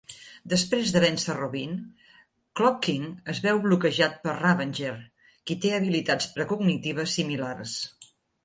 Després de vèncer Robin, Clock King es veu bloquejat per Ravager, qui té habilitats precognitives similars.